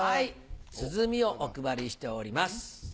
鼓をお配りしております。